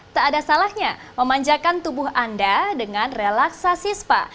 tak ada salahnya memanjakan tubuh anda dengan relaksasi spa